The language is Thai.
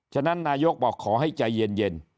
ฉะนั้นนายกบอกขอให้ใจเย็น